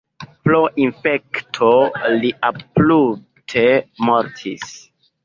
Pro infekto li abrupte mortis.